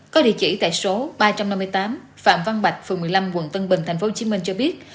có địa chỉ tại số ba trăm năm mươi tám phạm văn bạch phường một mươi năm quận tân bình tp hcm cho biết